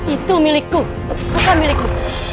itu milikku bukan milikmu